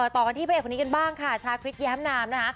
ต่อกันที่พระเอกคนนี้กันบ้างค่ะชาคริสแย้มนามนะคะ